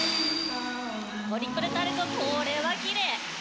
トリプルサルコー、これはきれい。